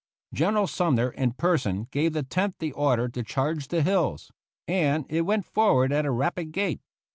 General Sum ner in person gave the Tenth the order to charge the hills; and it went forward at a rapid gait.